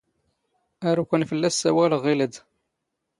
ⴰⵔ ⵓⴽⴰⵏ ⴼⵍⵍⴰⵙ ⵙⴰⵡⴰⵍⵖ ⵖⵉⵍⴰⴷ.